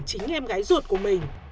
chính em gái ruột của mình